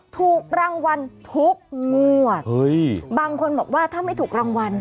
ถูกรางวัลทุกงวดเฮ้ยบางคนบอกว่าถ้าไม่ถูกรางวัล